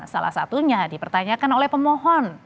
salah satunya dipertanyakan oleh pemohon